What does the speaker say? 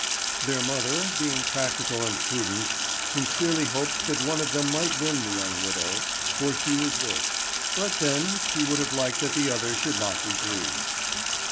Their mother, being practical and prudent, sincerely hoped that one of them might win the young widow, for she was rich; but then she would have liked that the other should not be grieved.